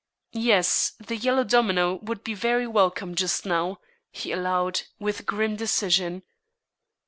"Yes, the Yellow Domino would be very welcome just now," he allowed, with grim decision.